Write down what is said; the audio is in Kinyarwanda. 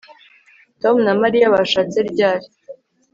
Tom na Mariya bashatse ryari